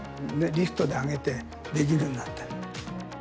リフトで上げてできるんだって。